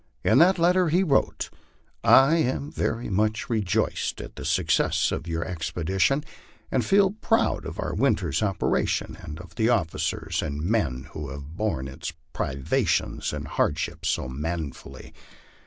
In that letter he wrote: " I am very much rejoiced at the success of your expedition, and feel proud of our winter's operations and of the officers and men Avho have borne its privations and hardships so manfully.